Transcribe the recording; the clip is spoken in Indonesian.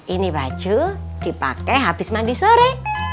ini baju dipakai habis mandi sore